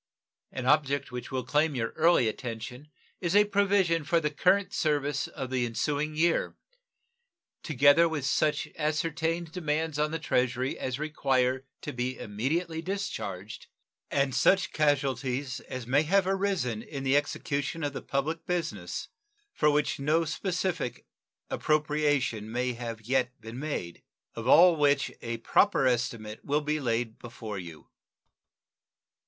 An object which will claim your early attention is a provision for the current service of the ensuing year, together with such ascertained demands upon the Treasury as require to be immediately discharged, and such casualties as may have arisen in the execution of the public business, for which no specific appropriation may have yet been made; of all which a proper estimate will be laid before you.